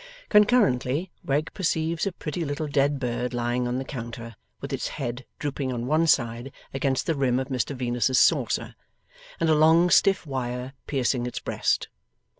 Concurrently, Wegg perceives a pretty little dead bird lying on the counter, with its head drooping on one side against the rim of Mr Venus's saucer, and a long stiff wire piercing its breast.